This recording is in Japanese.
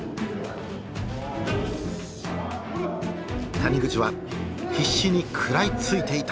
谷口は必死に食らいついていた。